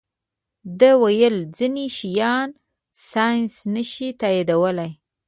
ده ویل ځینې شیان ساینس نه شي تائیدولی.